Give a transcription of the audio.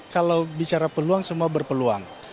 kalau bicara peluang semua berpeluang